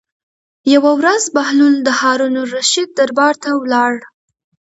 یوه ورځ بهلول د هارون الرشید دربار ته ولاړ.